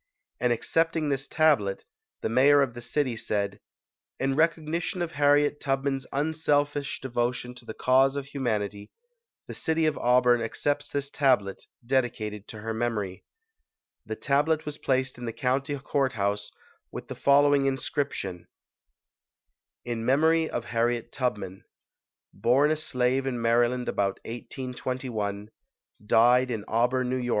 In accepting this tablet, the mayor of the city said, "In recognition of Harriet Tubman's unselfish devotion to the cause of hu manity, the city of Auburn accepts this tablet dedicated to her memory". The tablet was placed in the county court house with the following inscription : 102] UNSUNG HEROES IN MEMORY OF HARRIET TUBMAN Born a slave in Maryland about 1821 Died in Auburn, N. Y.